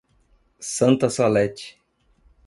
Santa Salete